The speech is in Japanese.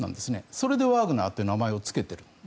それでワーグナーという名前をつけている。